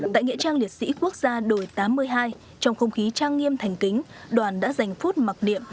tại nghĩa trang liệt sĩ quốc gia đổi tám mươi hai trong không khí trang nghiêm thành kính đoàn đã dành phút mặc niệm